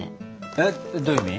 えどういう意味？